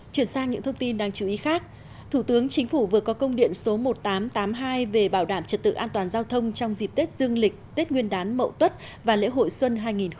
chuyển sang những thông tin đáng chú ý khác thủ tướng chính phủ vừa có công điện số một nghìn tám trăm tám mươi hai về bảo đảm trật tự an toàn giao thông trong dịp tết dương lịch tết nguyên đán mậu tuất và lễ hội xuân hai nghìn hai mươi bốn